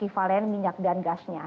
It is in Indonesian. ini adalah target yang sangat besar